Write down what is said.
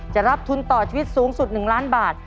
จะรับทุนต่อชีวิตสูงสุด๑ล้านบาท